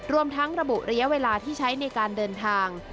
รวมทั้งระบุระยะเวลาที่ใช้ในการเดินทาง